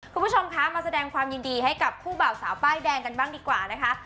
คุณผู้ชมคะมาแสดงความยินดีให้กับคู่บ่าวสาวป้ายแดงกันบ้างดีกว่านะคะ